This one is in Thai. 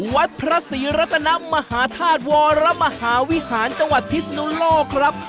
วัดพระศรีรัตนมหาธาตุวรมหาวิหารจังหวัดพิศนุโลกครับ